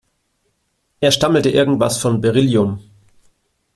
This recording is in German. Er stammelte irgendwas von Beryllium.